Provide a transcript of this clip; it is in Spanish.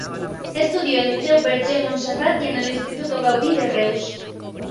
Estudió en Liceu Verge Montserrat y en el Instituto Gaudí de Reus.